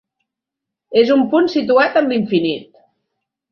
És un punt situat en l'infinit.